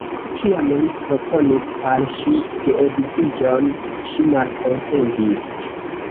Kiam li proponis al ŝi geedziĝon, ŝi malkonsentis.